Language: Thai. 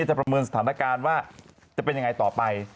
ประเมินสถานการณ์ว่าจะเป็นยังไงต่อไป